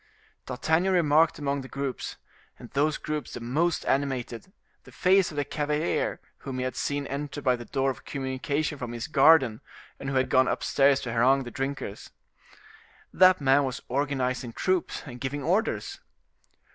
D'Artagnan remarked among the groups, and those groups the most animated, the face of the cavalier whom he had seen enter by the door of communication from his garden, and who had gone upstairs to harangue the drinkers. That man was organizing troops and giving orders.